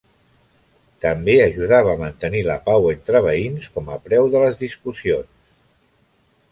També ajudava a mantenir la pau entre veïns com a preu de les discussions.